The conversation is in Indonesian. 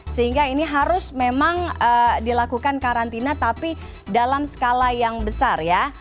sehingga ini harus memang dilakukan karantina tapi dalam skala yang besar ya